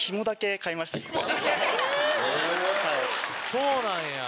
そうなんや。